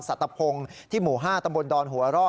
สัตวพงศ์ที่หมู่๕ตำบลดอนหัวร่อ